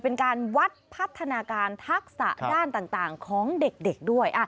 เป็นการวัดพัฒนาการทักษะด้านต่างของเด็กด้วย